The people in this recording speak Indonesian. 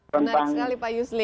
menarik sekali pak yusli